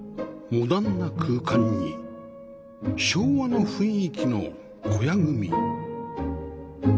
モダンな空間に昭和の雰囲気の小屋組